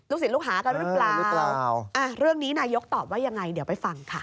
ลูกศิษย์ลูกหาค่ะหรือเปล่านายยกตอบว่ายังไงเดี๋ยวไปฟังค่ะ